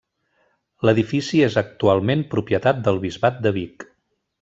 L'edifici és actualment propietat del Bisbat de Vic.